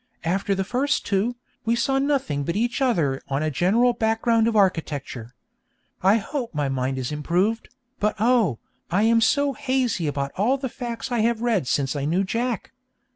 After the first two, we saw nothing but each other on a general background of architecture. I hope my mind is improved, but oh, I am so hazy about all the facts I have read since I knew Jack!